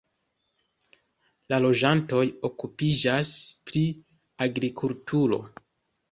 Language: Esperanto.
La loĝantoj okupiĝas pri agrikulturo.